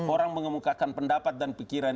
orang mengemukakan pendapat dan pikiran